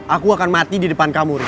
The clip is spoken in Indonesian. aku akan mati di depan kamu